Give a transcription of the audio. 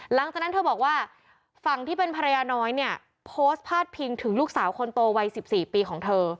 หลังจากนั้นเธอบอกว่าฝั่งที่เป็นภรรยาน้อยเนี่ยโพสต์พาดพิงถึงลูกสาวคนโตวัย๑๔ปีของเธอ